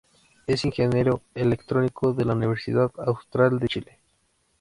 Es ingeniero electrónico de la Universidad Austral de Chile.